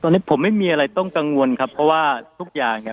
ตอนนี้ผมไม่มีอะไรต้องกังวลครับเพราะว่าทุกอย่างเนี่ย